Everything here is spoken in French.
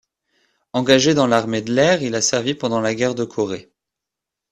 Engagé dans l'armée de l'air, il a servi pendant la guerre de Corée.